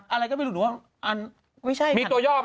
อะไรก็ไม่รู้ว่ามีตัวย่อมไหม